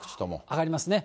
上がりますね。